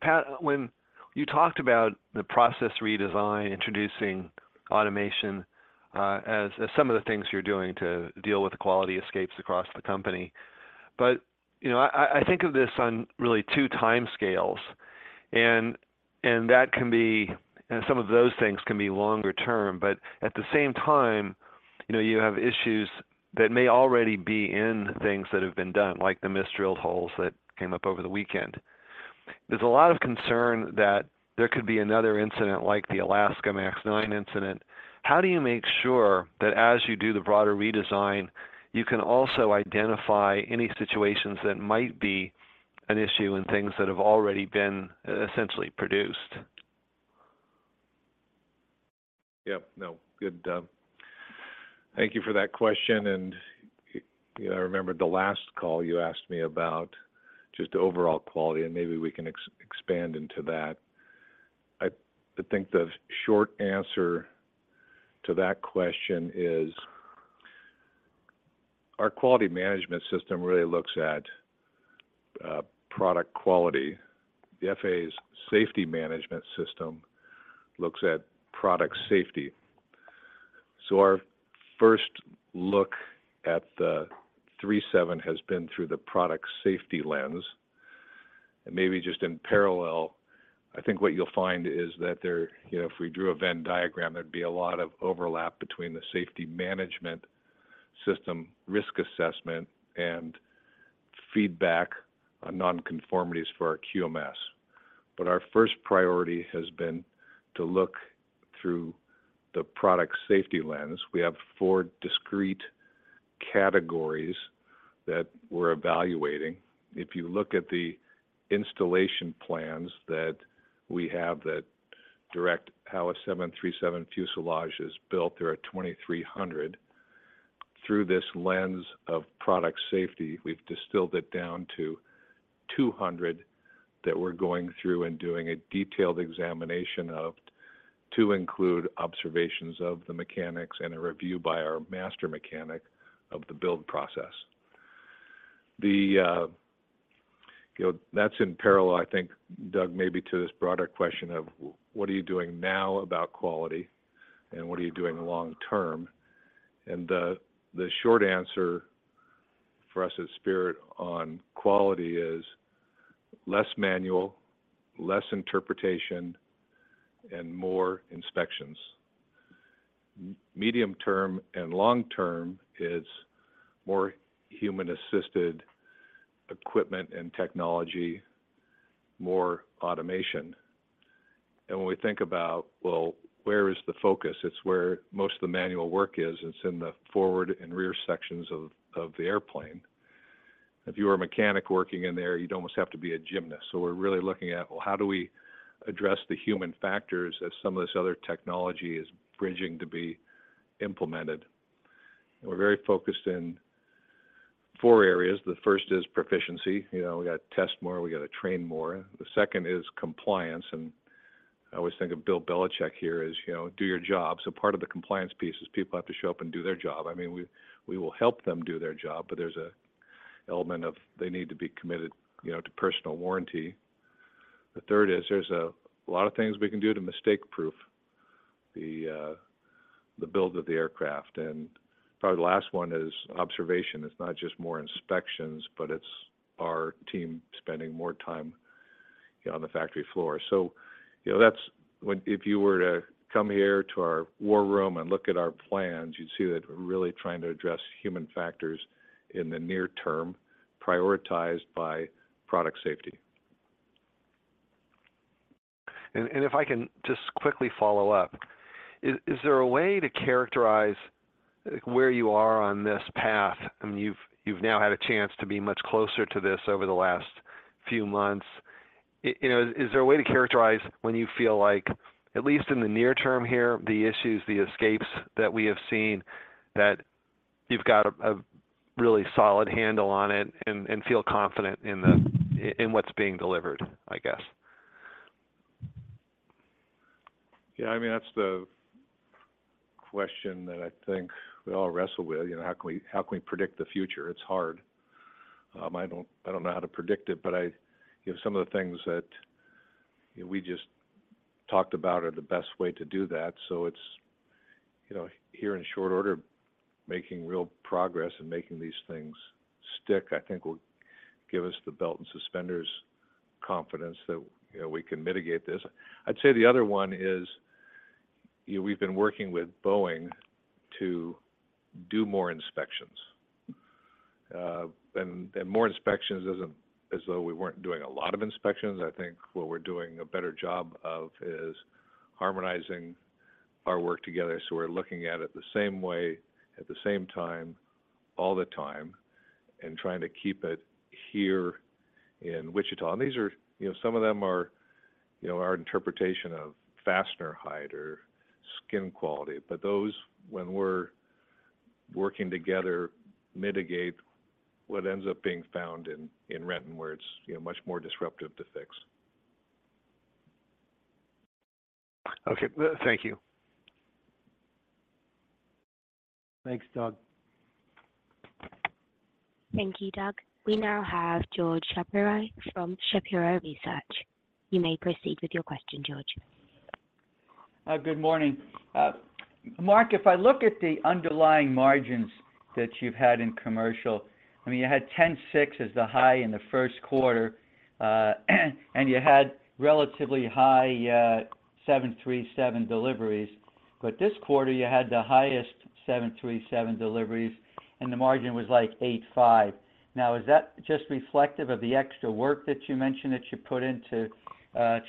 Speaker 12: Pat, when you talked about the process redesign, introducing automation, as some of the things you're doing to deal with the quality escapes across the company. But, you know, I think of this on really two timescales, and that can be, and some of those things can be longer term, but at the same time, you know, you have issues that may already be in things that have been done, like the misdrilled holes that came up over the weekend. There's a lot of concern that there could be another incident like the Alaska MAX 9 incident. How do you make sure that as you do the broader redesign, you can also identify any situations that might be an issue and things that have already been essentially produced?
Speaker 3: Thank you for that question, and, you know, I remembered the last call you asked me about just the overall quality, and maybe we can expand into that. I think the short answer to that question is, our quality management system really looks at product quality. The FAA's safety management system looks at product safety. So our first look at the 737 has been through the product safety lens. And maybe just in parallel, I think what you'll find is that there you know, if we drew a Venn diagram, there'd be a lot of overlap between the safety management system, risk assessment, and feedback on non-conformities for our QMS. But our first priority has been to look through the product safety lens. We have four discrete categories that we're evaluating. If you look at the installation plans that we have that direct how a 737 fuselage is built, there are 2,300 through this lens of product safety, we've distilled it down to 200 that we're going through and doing a detailed examination of, to include observations of the mechanics and a review by our master mechanic of the build process. You know, that's in parallel, I think, Doug, maybe to this broader question of what are you doing now about quality, and what are you doing long term? And the short answer for us at Spirit on quality is less manual, less interpretation, and more inspections. Medium term and long term is more human-assisted equipment and technology, more automation. And when we think about, well, where is the focus? It's where most of the manual work is. It's in the forward and rear sections of the airplane. If you are a mechanic working in there, you'd almost have to be a gymnast. So we're really looking at, well, how do we address the human factors as some of this other technology is bridging to be implemented? We're very focused in four areas. The first is proficiency. You know, we gotta test more, we gotta train more. The second is compliance, and I always think of Bill Belichick here as, you know, do your job. So part of the compliance piece is people have to show up and do their job. I mean, we will help them do their job, but there's an element of they need to be committed, you know, to personal warranty. The third is, there's a lot of things we can do to mistake-proof the build of the aircraft. And probably the last one is observation. It's not just more inspections, but it's our team spending more time, you know, on the factory floor. So, you know, that's when if you were to come here to our war room and look at our plans, you'd see that we're really trying to address human factors in the near term, prioritized by product safety.
Speaker 12: If I can just quickly follow up. Is there a way to characterize where you are on this path? I mean, you've now had a chance to be much closer to this over the last few months. You know, is there a way to characterize when you feel like, at least in the near term here, the issues, the escapes that we have seen, that you've got a really solid handle on it and feel confident in what's being delivered, I guess?
Speaker 3: Yeah, I mean, that's the question that I think we all wrestle with. You know, how can we, how can we predict the future? It's hard. I don't, I don't know how to predict it, but I... You know, some of the things that, you know, we just talked about are the best way to do that. So it's, you know, here in short order, making real progress and making these things stick, I think will give us the belt and suspenders confidence that, you know, we can mitigate this. I'd say the other one is, you know, we've been working with Boeing to do more inspections. And, and more inspections isn't as though we weren't doing a lot of inspections. I think what we're doing a better job of is harmonizing our work together, so we're looking at it the same way, at the same time, all the time, and trying to keep it here in Wichita. And these are, you know, some of them are, you know, our interpretation of fastener height or skin quality, but those, when we're working together, mitigate what ends up being found in Renton, where it's, you know, much more disruptive to fix.
Speaker 12: Okay. Thank you.
Speaker 13: Thanks, Doug.
Speaker 14: Thank you, Doug. We now have George Shapiro from Shapiro Research. You may proceed with your question, George.
Speaker 15: Good morning. Mark, if I look at the underlying margins that you've had in commercial, I mean, you had 10.6% as the high in the first quarter, and you had relatively high 737 deliveries. But this quarter, you had the highest 737 deliveries, and the margin was like 8.5%. Now, is that just reflective of the extra work that you mentioned that you put in to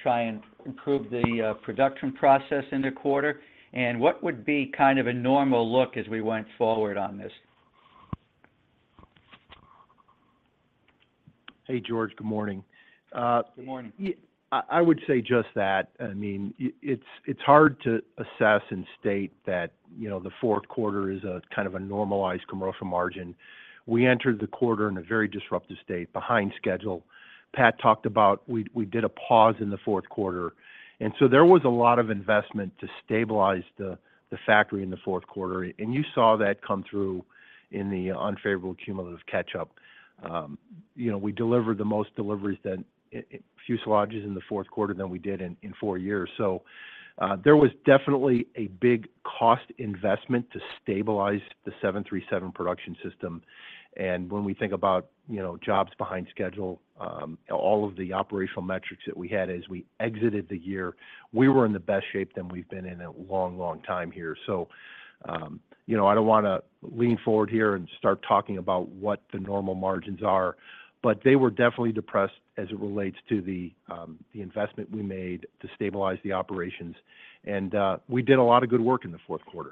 Speaker 15: try and improve the production process in the quarter? And what would be kind of a normal look as we went forward on this?
Speaker 3: Hey, George. Good morning.
Speaker 15: Good morning.
Speaker 3: I would say just that. I mean, it's hard to assess and state that, you know, the Q4 is a kind of a normalized commercial margin. We entered the quarter in a very disruptive state, behind schedule. Pat talked about we did a pause in the Q4, and so there was a lot of investment to stabilize the factory in the Q4, and you saw that come through in the unfavorable cumulative catch-up. You know, we delivered the most deliveries than fuselages in the Q4 than we did in four years. So, there was definitely a big cost investment to stabilize the 737 production system. When we think about, you know, jobs behind schedule, all of the operational metrics that we had as we exited the year, we were in the best shape than we've been in a long, long time here. So, you know, I don't want to lean forward here and start talking about what the normal margins are, but they were definitely depressed as it relates to the, the investment we made to stabilize the operations. And, we did a lot of good work in the Q4.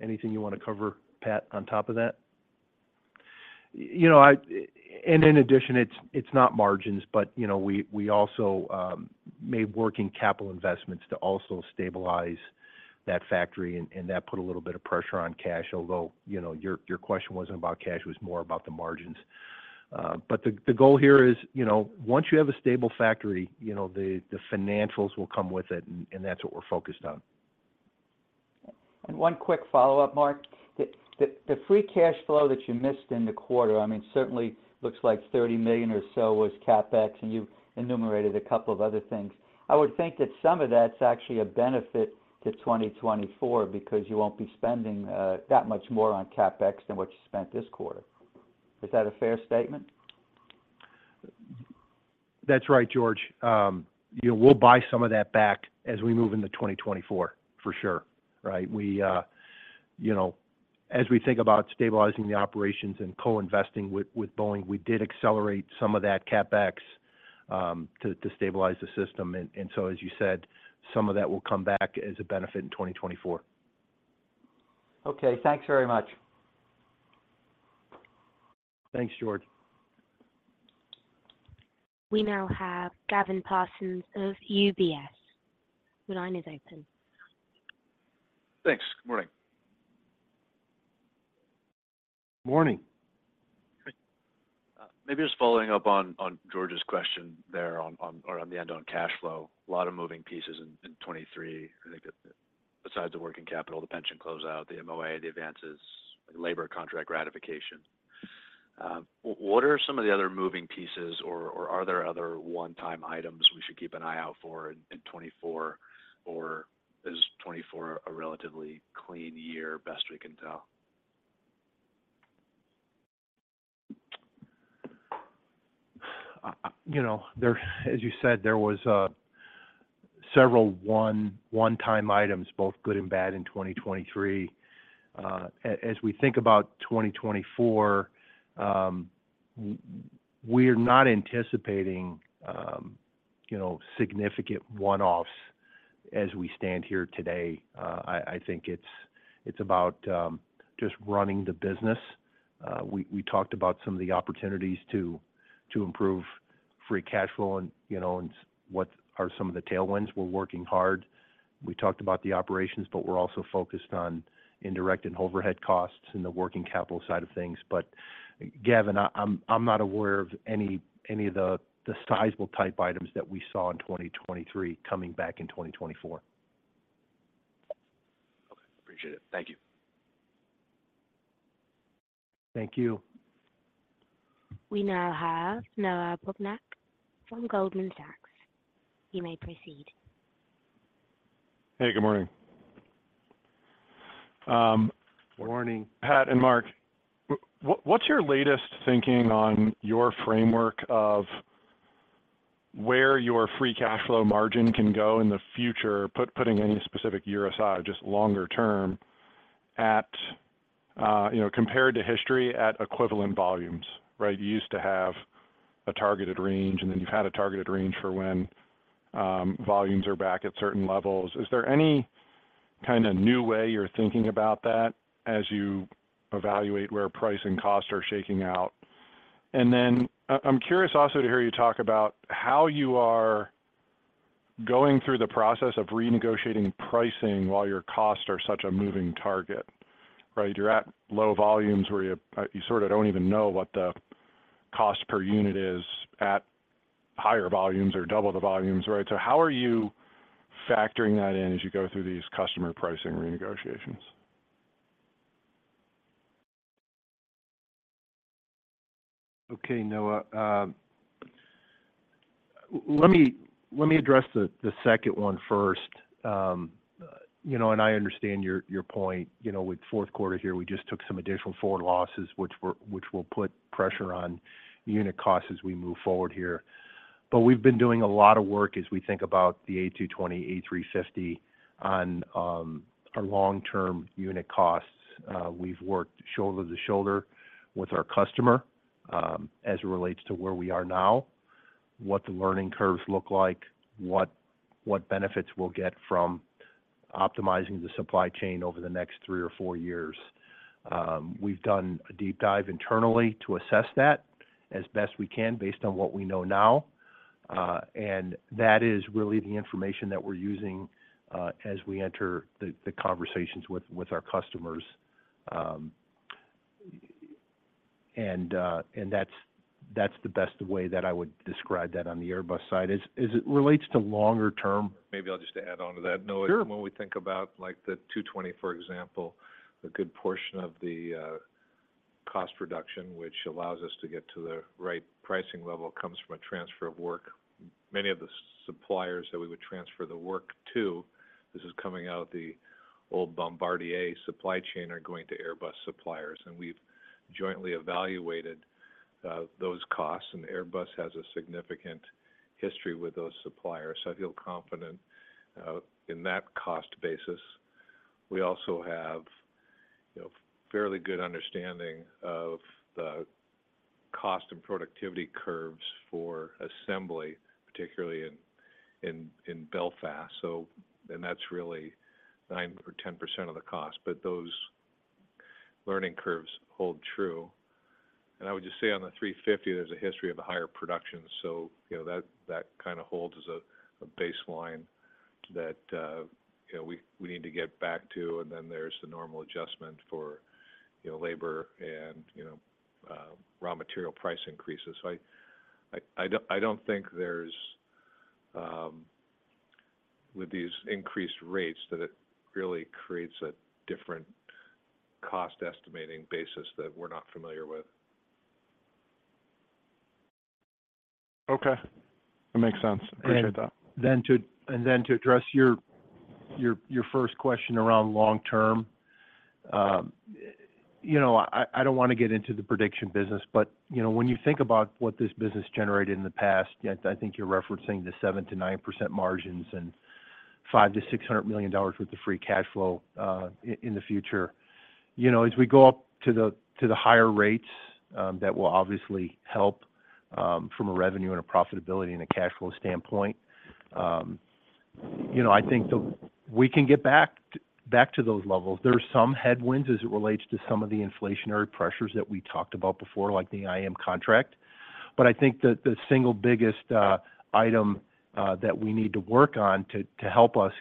Speaker 3: Anything you want to cover, Pat, on top of that?
Speaker 4: You know, and in addition, it's not margins, but, you know, we also made working capital investments to also stabilize that factory, and that put a little bit of pressure on cash. Although, you know, your question wasn't about cash, it was more about the margins. But the goal here is, you know, once you have a stable factory, you know, the financials will come with it, and that's what we're focused on.
Speaker 3: One quick follow-up, Mark. The free cash flow that you missed in the quarter, I mean, certainly looks like $30 million or so was CapEx, and you've enumerated a couple of other things. I would think that some of that's actually a benefit to 2024 because you won't be spending that much more on CapEx than what you spent this quarter. Is that a fair statement?
Speaker 4: That's right, George. You know, we'll buy some of that back as we move into 2024, for sure. Right? We, you know, as we think about stabilizing the operations and co-investing with Boeing, we did accelerate some of that CapEx to stabilize the system. And so, as you said, some of that will come back as a benefit in 2024.
Speaker 3: Okay. Thanks very much.
Speaker 4: Thanks, George.
Speaker 1: We now have Gavin Parsons of UBS. The line is open.
Speaker 16: Thanks. Good morning.
Speaker 4: Morning.
Speaker 16: Maybe just following up on George's question there on the end on cash flow. A lot of moving pieces in 2023. I think that besides the working capital, the pension closeout, the MOA, the advances, labor contract ratification. What are some of the other moving pieces, or are there other one-time items we should keep an eye out for in 2024, or is 2024 a relatively clean year, best we can tell?
Speaker 4: You know, there, as you said, there was several one-time items, both good and bad, in 2023. As we think about 2024, we're not anticipating, you know, significant one-offs as we stand here today. I think it's about just running the business. We talked about some of the opportunities to improve free cash flow and, you know, what are some of the tailwinds. We're working hard. We talked about the operations, but we're also focused on indirect and overhead costs and the working capital side of things. But, Gavin, I'm not aware of any of the sizable type items that we saw in 2023 coming back in 2024.
Speaker 16: Okay. Appreciate it. Thank you.
Speaker 4: Thank you.
Speaker 1: We now have Noah Poponak from Goldman Sachs. You may proceed.
Speaker 17: Hey, good morning.
Speaker 4: Morning.
Speaker 17: Pat and Mark, what's your latest thinking on your framework of where your free cash flow margin can go in the future, putting any specific year aside, just longer term, at, you know, compared to history at equivalent volumes, right? You used to have a targeted range, and then you've had a targeted range for when volumes are back at certain levels. Is there any kind of new way you're thinking about that as you evaluate where price and cost are shaking out? And then, I'm curious also to hear you talk about how you are going through the process of renegotiating pricing while your costs are such a moving target, right? You're at low volumes where you sort of don't even know what the cost per unit is at higher volumes or double the volumes, right? How are you factoring that in as you go through these customer pricing renegotiations?
Speaker 4: Okay, Noah. Let me address the second one first. You know, and I understand your point. You know, with Q4 here, we just took some additional forward losses, which will put pressure on unit costs as we move forward here. But we've been doing a lot of work as we think about the A220, A350 on our long-term unit costs. We've worked shoulder to shoulder with our customer, as it relates to where we are now, what the learning curves look like, what benefits we'll get from optimizing the supply chain over the next three or four years. We've done a deep dive internally to assess that as best we can, based on what we know now, and that is really the information that we're using as we enter the conversations with our customers. That's the best way that I would describe that on the Airbus side. As it relates to longer term-
Speaker 3: Maybe I'll just add on to that, Noah.
Speaker 4: Sure.
Speaker 3: When we think about, like, the 220, for example, a good portion of the cost reduction, which allows us to get to the right pricing level, comes from a transfer of work. Many of the suppliers that we would transfer the work to, this is coming out of the old Bombardier supply chain, are going to Airbus suppliers, and we've jointly evaluated those costs, and Airbus has a significant history with those suppliers, so I feel confident in that cost basis. We also have, you know, fairly good understanding of the cost and productivity curves for assembly, particularly in Belfast. So, and that's really 9% or 10% of the cost, but those learning curves hold true. And I would just say on the 350, there's a history of a higher production. So, you know, that kind of holds as a baseline that you know we need to get back to, and then there's the normal adjustment for, you know, labor and you know raw material price increases. So I don't think there's with these increased rates that it really creates a different cost estimating basis that we're not familiar with.
Speaker 17: Okay, that makes sense. Appreciate that.
Speaker 4: To address your first question around long term. You know, I don't want to get into the prediction business, but, you know, when you think about what this business generated in the past, yet I think you're referencing the 7%-9% margins and $500 million-$600 million worth of free cash flow in the future. You know, as we go up to the higher rates, that will obviously help from a revenue and a profitability and a cash flow standpoint. You know, I think we can get back to those levels. There are some headwinds as it relates to some of the inflationary pressures that we talked about before, like the IM contract. But I think that the single biggest item that we need to work on to help us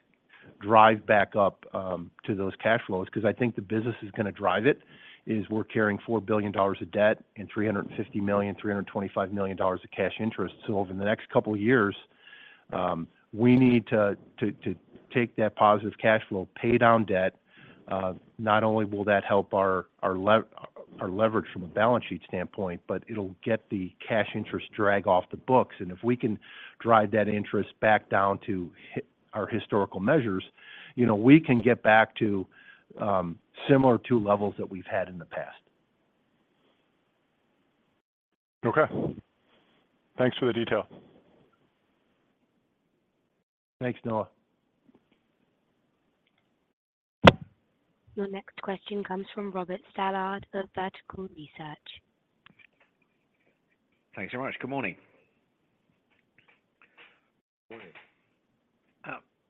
Speaker 4: drive back up to those cash flows, because I think the business is going to drive it, is we're carrying $4 billion of debt and $350 million, $325 million of cash interest. So over the next couple of years, we need to take that positive cash flow, pay down debt. Not only will that help our leverage from a balance sheet standpoint, but it'll get the cash interest drag off the books. And if we can drive that interest back down to our historical measures, you know, we can get back to similar to levels that we've had in the past.
Speaker 17: Okay. Thanks for the detail.
Speaker 4: Thanks, Noah.
Speaker 1: Your next question comes from Robert Stallard of Vertical Research.
Speaker 13: Thanks so much. Good morning.
Speaker 3: Morning.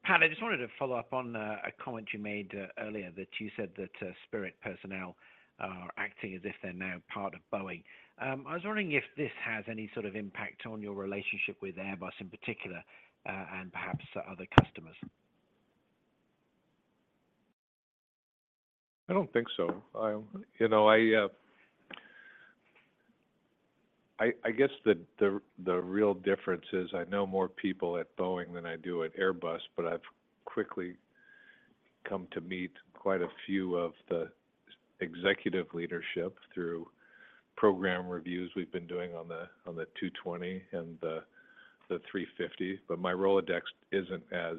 Speaker 13: Pat, I just wanted to follow up on a comment you made earlier, that you said that Spirit personnel are acting as if they're now part of Boeing. I was wondering if this has any sort of impact on your relationship with Airbus in particular, and perhaps other customers?
Speaker 3: I don't think so. You know, I guess the real difference is I know more people at Boeing than I do at Airbus, but I've quickly come to meet quite a few of the executive leadership through program reviews we've been doing on the 220 and the 350. But my Rolodex isn't as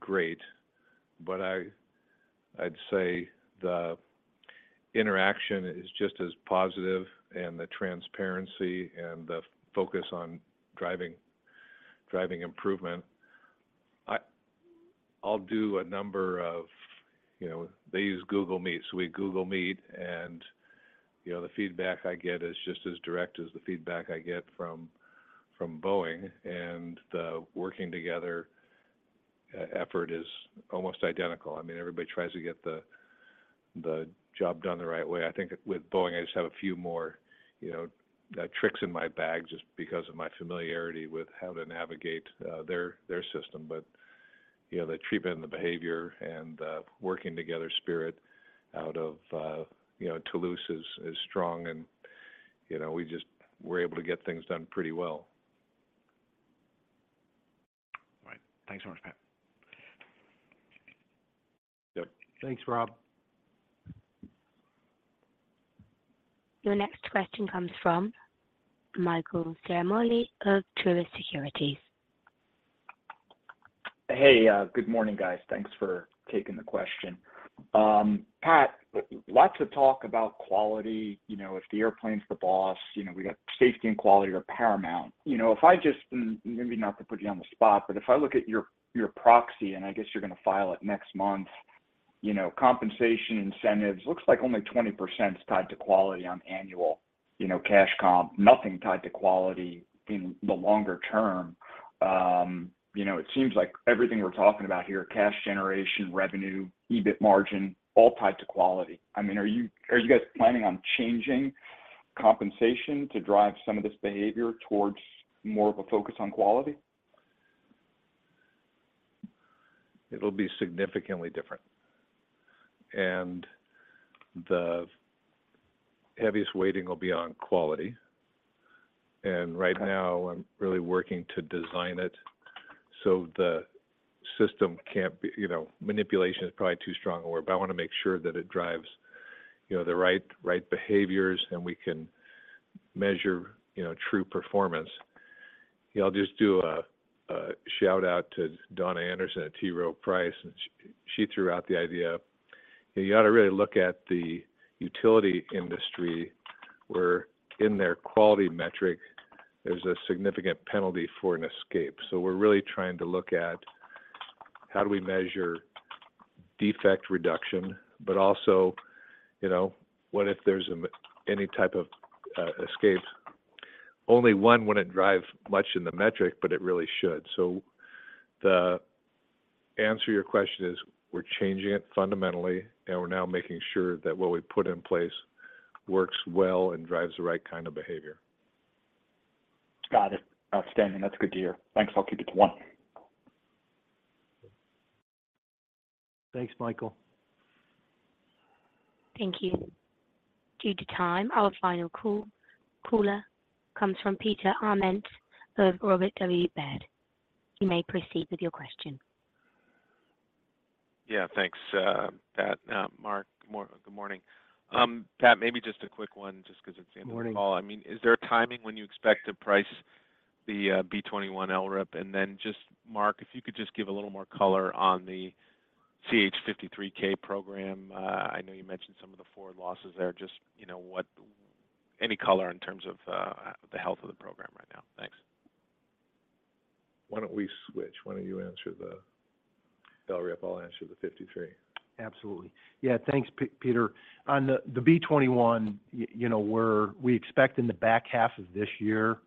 Speaker 3: great. But I'd say the interaction is just as positive, and the transparency and the focus on driving improvement. I'll do a number of... You know, they use Google Meet, so we Google Meet, and, you know, the feedback I get is just as direct as the feedback I get from Boeing, and the working together effort is almost identical. I mean, everybody tries to get the job done the right way. I think with Boeing, I just have a few more, you know, tricks in my bag just because of my familiarity with how to navigate, their system. But, you know, the treatment and the behavior and, working together Spirit out of, you know, Toulouse is strong and, you know, we just, we're able to get things done pretty well.
Speaker 13: Right. Thanks so much, Pat.
Speaker 3: Yep.
Speaker 4: Thanks, Rob.
Speaker 1: Your next question comes from Michael Ciarmoli of Truist Securities.
Speaker 18: Hey, good morning, guys. Thanks for taking the question. Pat, lots of talk about quality. You know, if the airplane's the boss, you know, we got safety and quality are paramount. You know, and maybe not to put you on the spot, but if I look at your, your proxy, and I guess you're going to file it next month, you know, compensation incentives, looks like only 20% is tied to quality on annual, you know, cash comp. Nothing tied to quality in the longer term. You know, it seems like everything we're talking about here, cash generation, revenue, EBIT margin, all tied to quality. I mean, are you, are you guys planning on changing compensation to drive some of this behavior towards more of a focus on quality?
Speaker 3: It'll be significantly different. And the heaviest weighting will be on quality. And right now, I'm really working to design it so the system can't be, you know, manipulation is probably too strong a word, but I want to make sure that it drives, you know, the right, right behaviors, and we can measure, you know, true performance. You know, I'll just do a shout-out to Donna Anderson at T. Rowe Price, and she threw out the idea, "You ought to really look at the utility industry, where in their quality metric, there's a significant penalty for an escape." So we're really trying to look at how do we measure defect reduction? But also, you know, what if there's any type of escapes? Only one wouldn't drive much in the metric, but it really should. The answer to your question is, we're changing it fundamentally, and we're now making sure that what we put in place works well and drives the right kind of behavior.
Speaker 18: Got it. Outstanding. That's good to hear. Thanks. I'll keep it to one.
Speaker 4: Thanks, Michael.
Speaker 1: Thank you. Due to time, our final caller comes from Peter Arment of Robert W. Baird. You may proceed with your question.
Speaker 19: Yeah, thanks, Pat, Mark. Good morning. Pat, maybe just a quick one, just because it's the end of the call.
Speaker 3: Good morning.
Speaker 19: I mean, is there a timing when you expect to price the B-21 LRIP? And then just, Mark, if you could just give a little more color on the CH-53K program. I know you mentioned some of the forward losses there. Just, you know, any color in terms of the health of the program right now. Thanks.
Speaker 3: Why don't we switch? Why don't you answer the LRIP? I'll answer the 53.
Speaker 4: Absolutely. Yeah. Thanks, Peter. On the B-21, you know, we expect in the back half of this year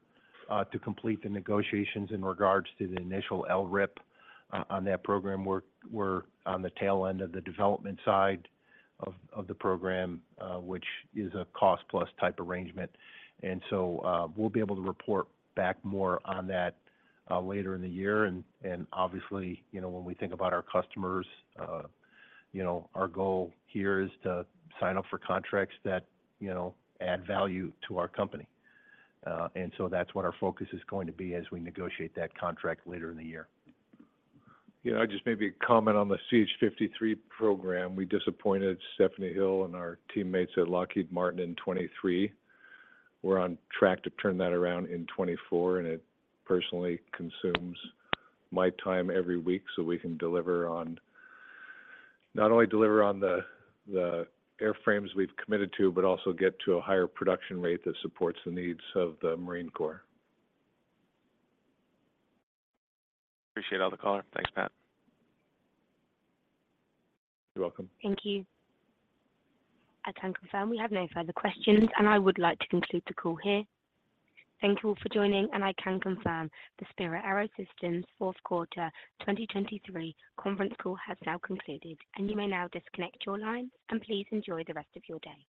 Speaker 4: to complete the negotiations in regards to the initial LRIP on that program. We're on the tail end of the development side of the program, which is a cost-plus type arrangement. And so, we'll be able to report back more on that later in the year. And obviously, you know, when we think about our customers, you know, our goal here is to sign up for contracts that, you know, add value to our company. And so that's what our focus is going to be as we negotiate that contract later in the year.
Speaker 3: You know, just maybe a comment on the CH-53 program. We disappointed Stephanie Hill and our teammates at Lockheed Martin in 2023. We're on track to turn that around in 2024, and it personally consumes my time every week, so we can deliver on - not only deliver on the, the airframes we've committed to, but also get to a higher production rate that supports the needs of the Marine Corps.
Speaker 19: Appreciate all the color. Thanks, Pat.
Speaker 3: You're welcome.
Speaker 1: Thank you. I can confirm we have no further questions, and I would like to conclude the call here. Thank you all for joining, and I can confirm the Spirit AeroSystems Q4, 2023 conference call has now concluded, and you may now disconnect your lines, and please enjoy the rest of your day.